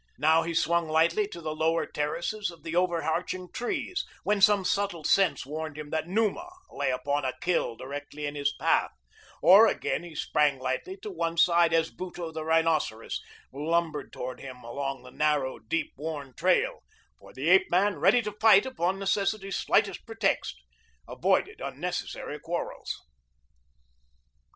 Now he swung lightly to the lower terraces of the overarching trees when some subtle sense warned him that Numa lay upon a kill directly in his path, or again he sprang lightly to one side as Buto, the rhinoceros, lumbered toward him along the narrow, deep worn trail, for the ape man, ready to fight upon necessity's slightest pretext, avoided unnecessary quarrels.